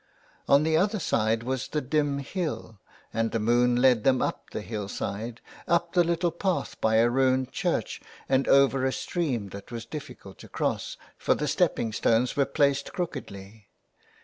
On the other side was the dim hill, and the moon led them up the hill side, up the little path by a ruined church and over a stream that was difficult to cross, for the stepping stones were placed crookedly.